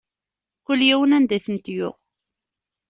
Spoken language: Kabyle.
Kul yiwen, anda i tent-yuɣ.